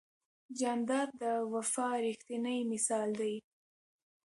جانداد د وفا ریښتینی مثال دی.